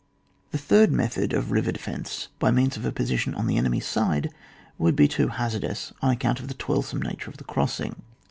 The third method of a river defence by means of a position on the enemy's side would be too hazardous on account of the toilsome nature of the crossing